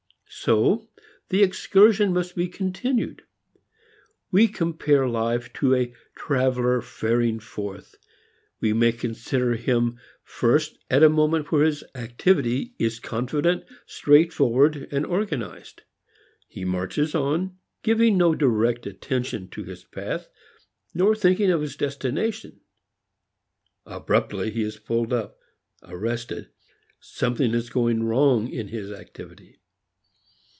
So the excursion must be continued. We compare life to a traveler faring forth. We may consider him first at a moment where his activity is confident, straightforward, organized. He marches on giving no direct attention to his path, nor thinking of his destination. Abruptly he is pulled up, arrested. Something is going wrong in his activity.